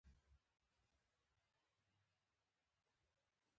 د هغوی پلرونه د پوځ قوماندانان وو.